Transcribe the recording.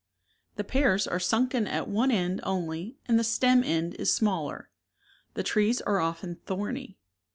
The pears are sunken at one end only, and the stem end is smaller. The trees are often thorny.